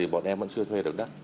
bọn em vẫn chưa thuê được đất